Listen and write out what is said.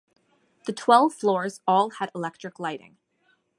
The twelve floors all had electric lighting.